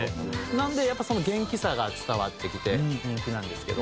なのでその元気さが伝わってきて人気なんですけど。